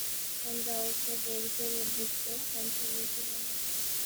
From the outset, the editorial drift was conservative and nationalist.